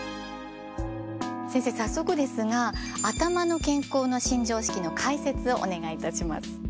先生早速ですが頭の健康の新常識の解説をお願いいたします。